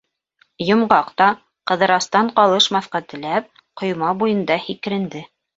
Йомғаҡ та, Ҡыҙырастан ҡалышмаҫҡа теләп, ҡойма буйында һикеренде.